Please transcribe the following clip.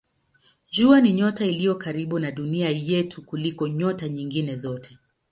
Jua ni nyota iliyo karibu na Dunia yetu kuliko nyota nyingine zote.